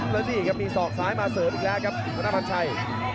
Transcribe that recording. แล้วนี่ครับมีศอกซ้ายมาเสริมอีกแล้วครับธนพันธ์ชัย